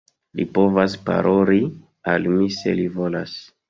Li povas paroli al mi se li volas.